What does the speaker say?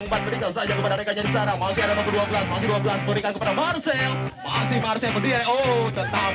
empat peninggal saja kepada rekan rekan di sana masih ada yang berdua belas masih dua belas peninggal kepada marcel